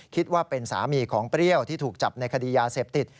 คิดว่าเป็นสามีของเปรี้ยวที่ถูกจับในคดียาเสพติด